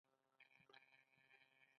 اصلي شکایت مو څه دی؟